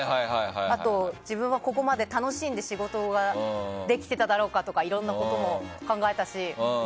あと自分はここまで楽しんで仕事ができてただろうかとかいろんなことも考えたし。